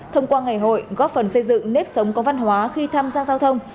thông qua ngày hội góp phần xây dựng nếp sống có văn hóa khi tham gia giao thông